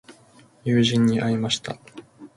友人に会いました。